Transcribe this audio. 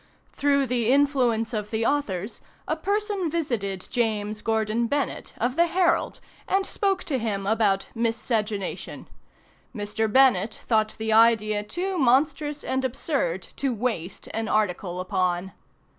Through the influence of the authors, a person visited James Gordon Bennett, of the "Herald," and spoke to him about "Miscegenation." Mr. Bennett thought the idea too monstrous and absurd to waste an article upon.